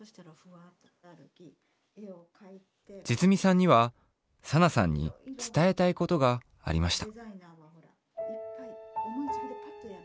じつみさんにはサナさんにつたえたいことがありました。